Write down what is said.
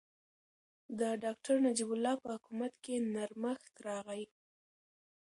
د ډاکټر نجیب الله په حکومت کې نرمښت راغی.